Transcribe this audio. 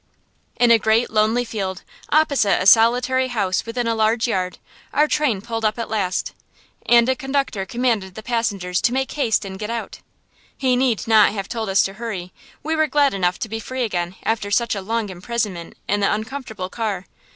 In a great lonely field, opposite a solitary house within a large yard, our train pulled up at last, and a conductor commanded the passengers to make haste and get out. He need not have told us to hurry; we were glad enough to be free again after such a long imprisonment in the uncomfortable car.